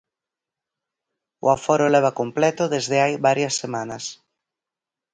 O aforo leva completo desde hai varias semanas.